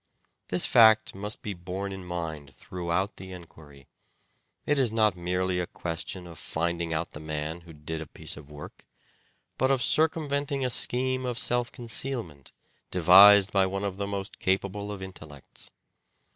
This fact must be borne in mind throughout the enquiry. It is not merely a question of finding out the man who did a piece of work, but of circumventing a scheme of self concealment devised by one of the most capable of intellects.